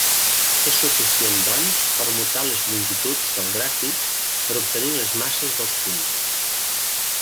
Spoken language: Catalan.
És suficient doncs permutar les longituds del gràfic per obtenir les masses dels punts.